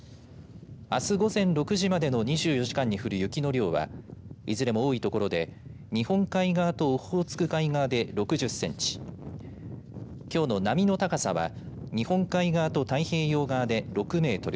あす午前６時までの２４時間に降る雪の量はいずれも多い所で日本海側とオホーツク海側で６０センチきょうの波の高さは日本海側と太平洋側で６メートル